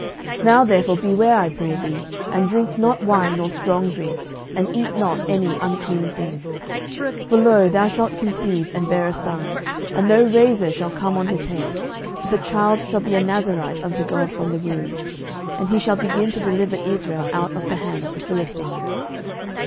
07:013:004 Now therefore beware, I pray thee, and drink not wine nor strong drink, and eat not any unclean thing: 07:013:005 For, lo, thou shalt conceive, and bear a son; and no razor shall come on his head: for the child shall be a Nazarite unto God from the womb: and he shall begin to deliver Israel out of the hand of the Philistines.